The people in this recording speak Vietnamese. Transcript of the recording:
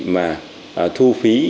mà thu phí